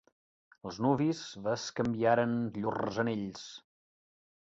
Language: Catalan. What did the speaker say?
Els nuvis bescanviaren llurs anells.